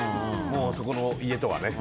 そこの家とはね。